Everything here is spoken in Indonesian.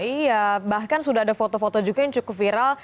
iya bahkan sudah ada foto foto juga yang cukup viral